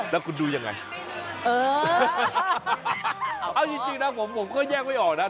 แล้วคุณดูยังไงเออเอาจริงนะผมผมก็แยกไม่ออกนะ